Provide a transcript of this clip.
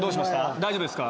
大丈夫ですか？